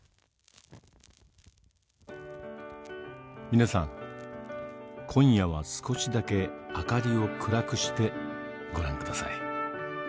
皆さん今夜は少しだけ明かりを暗くしてご覧下さい。